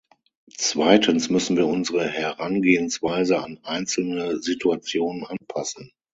Zweitens müssen wir unsere Herangehensweise an einzelne Situationen anpassen.